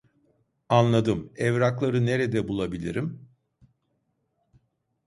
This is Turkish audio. Anladım, evrakları nerede bulabilirim?